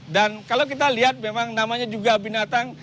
dan kalau kita lihat memang namanya juga binatang